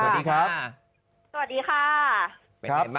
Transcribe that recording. สวัสดีค่ะ